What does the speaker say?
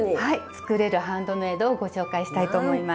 作れるハンドメイドをご紹介したいと思います。